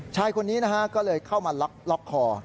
ชายคนนี้นะฮะก็เลยเข้ามาล็อกคอ